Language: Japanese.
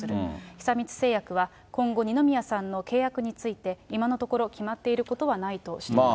久光製薬は、今後、二宮さんの契約について、今のところ決まっていることはないとしています。